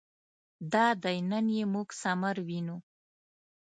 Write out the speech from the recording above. دادی نن یې موږ ثمر وینو.